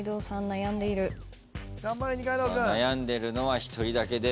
悩んでるのは１人だけです。